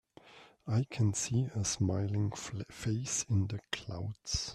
I can see a smiling face in the clouds.